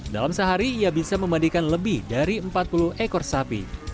dalam sehari ia bisa memandikan lebih dari empat puluh ekor sapi